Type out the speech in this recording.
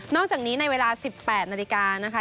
อกจากนี้ในเวลา๑๘นาฬิกานะคะ